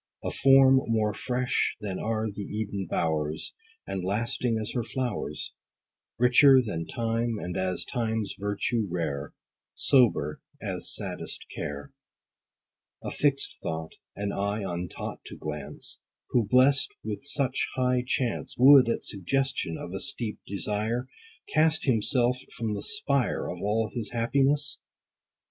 A form more fresh than are the Eden bowers, And lasting as her flowers : Richer than Time, and as time's virtue rare 50 Sober, as saddest care ; A fixed thought, an eye untaught to glance : Who, blest with such high chance Would, at suggestion of a steep desire, Cast himself from the spire Of all his happiness